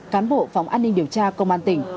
cán bộ phòng an ninh điều tra công an tỉnh